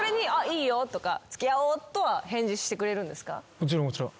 もちろんもちろん。